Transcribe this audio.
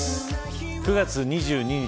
９月２２日